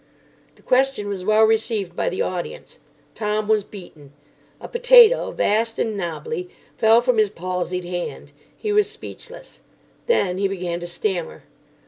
The question was well received by the audience. Tom was beaten. A potato, vast and nobbly, fell from his palsied hand. He was speechless. Then he began to stammer.